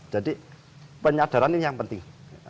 jadi penyadaran ini yang penting